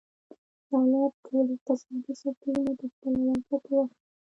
دولت ټول اقتصادي سکتورونه په خپله ولکه کې واخیستل.